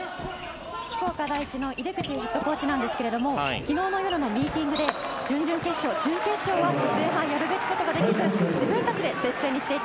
福岡第一の井手口ヘッドコーチなんですが昨日の夜のミーティングで準々決勝、準決勝は前半やるべきことができず自分たちで接戦にしていた。